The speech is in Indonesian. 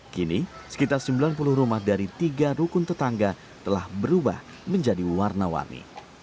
kini sekitar sembilan puluh rumah dari tiga rukun tetangga telah berubah menjadi warna warni